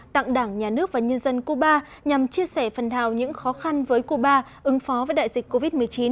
tặng đảng nhà nước và nhân dân cuba nhằm chia sẻ phần thảo những khó khăn với cuba ứng phó với đại dịch covid một mươi chín